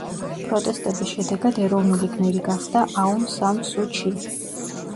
პროტესტების შედეგად ეროვნული გმირი გახდა აუნ სან სუ ჩი.